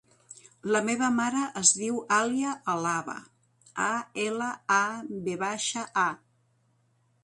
La meva mare es diu Alia Alava: a, ela, a, ve baixa, a.